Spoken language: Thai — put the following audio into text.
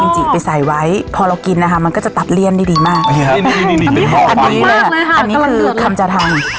มันก็จะตัดเลี่ยนดีมากอันนี้คือคำจะทำ